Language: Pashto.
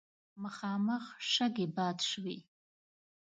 مخامخ شګې باد شوې.